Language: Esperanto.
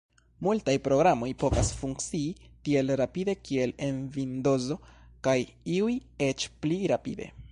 Multaj programoj povas funkcii tiel rapide kiel en Vindozo, kaj iuj eĉ pli rapide.